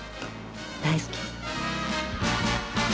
大好き。